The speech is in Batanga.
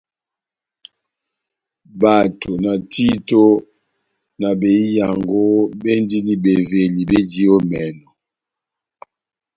Bato, na títo, na behiyango béndini beveli béji ó emɛnɔ.